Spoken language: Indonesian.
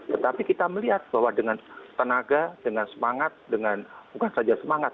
tetapi kita melihat bahwa dengan tenaga dengan semangat dengan bukan saja semangat